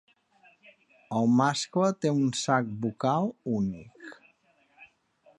El mascle té un sac vocal únic.